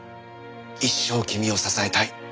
一生君を支えたい。